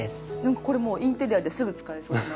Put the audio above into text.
これもうインテリアですぐ使えそうな。